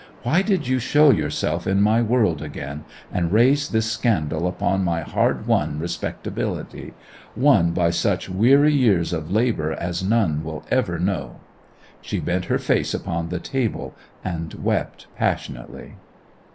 Why did you show yourself in my world again, and raise this scandal upon my hard won respectability—won by such weary years of labour as none will ever know!' She bent her face upon the table and wept passionately.